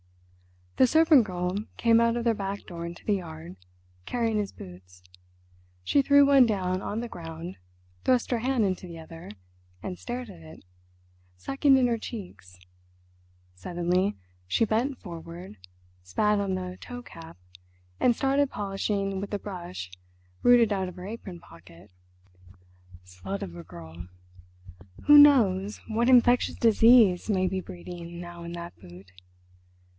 The servant girl came out of their back door into the yard, carrying his boots. She threw one down on the ground, thrust her hand into the other, and stared at it, sucking in her cheeks. Suddenly she bent forward, spat on the toecap, and started polishing with a brush rooted out of her apron pocket.... "Slut of a girl! Heaven knows what infectious disease may be breeding now in that boot.